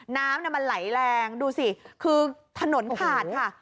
น้ำมันไหลแรงดูสิคือถนนขาดค่ะ